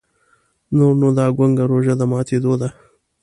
نوره نو دا ګونګه روژه د ماتېدو ده.